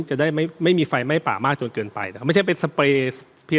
จะได้ไม่ไม่มีไฟไหม้ป่ามากจนเกินไปแต่ไม่ใช่เป็นสเปรย์เพียง